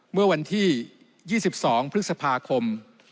เมื่อวันที่๒๒พฤษภาคม